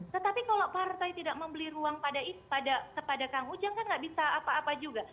tetapi kalau partai tidak membeli ruang kepada kang ujang kan nggak bisa apa apa juga